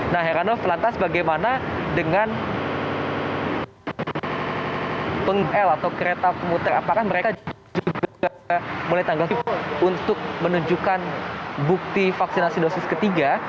nah heranov lantas bagaimana dengan pengel atau kereta pemuter apakah mereka juga mulai tanggapi untuk menunjukkan bukti vaksinasi dosis ketiga